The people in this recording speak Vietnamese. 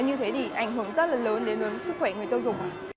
như thế thì ảnh hưởng rất là lớn đến sức khỏe người tiêu dùng